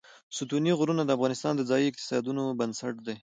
ستوني غرونه د افغانستان د ځایي اقتصادونو بنسټ دی.